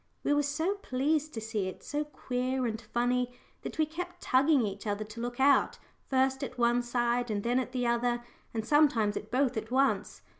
We were so pleased to see it so queer and funny, that we kept tugging each other to look out, first at one side, and then at the other, and sometimes at both at once.